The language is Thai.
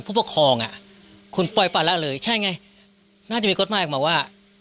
ผู้ปกครองอ่ะคุณปล่อยปลาละเลยใช่ไงน่าจะมีกฎหมายออกมาว่า